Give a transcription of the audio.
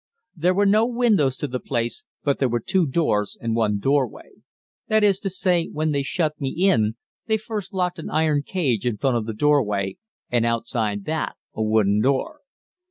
There were no windows to the place, but there were two doors and one doorway; that is to say, when they shut me in, they first locked an iron cage in front of the doorway, and outside that a wooden door.